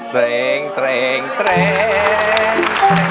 เตรงเตรงเตรง